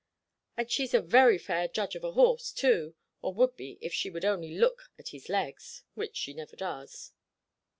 And she's a very fair judge of a horse, too, or would be if she would only look at his legs, which she never does."